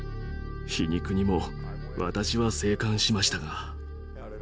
皮肉にも私は生還しましたが。